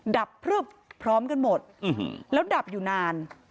ดับพลึบพร้อมกันหมดแล้วดับอยู่นาน